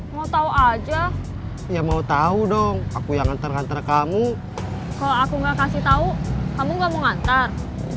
kalau aku gak kasih tau kamu gak mau ngantar